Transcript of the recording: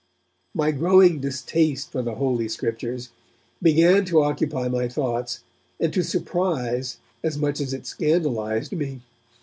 My growing distaste for the Holy Scriptures began to occupy my thoughts, and to surprise as much as it scandalized me.